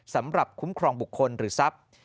สำหรับคุ้มครองบุคคลหรือทรัพย์